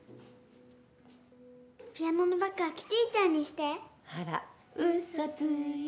ピアノのバッグはキティちゃんにして。